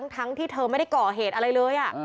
ทั้งที่เธอไม่ได้ก่อเหตุอะไรเลย